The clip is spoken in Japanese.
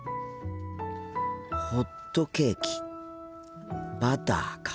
ホットケーキバターか。